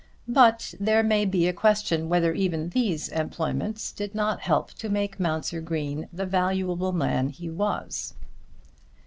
But there may be a question whether even these employments did not help to make Mounser Green the valuable man he was.